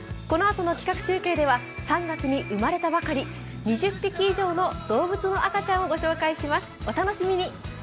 このあとの企画中継では３月に生まれたばかり、２０匹以上の動物の赤ちゃんをご紹介します。